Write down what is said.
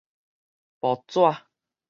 薄紙